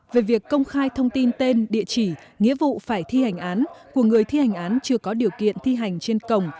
về việc công khai thông tin tên địa chỉ nghĩa vụ phải thi hành án của người thi hành án chưa có điều kiện thi hành trên cổng